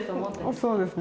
そうですね。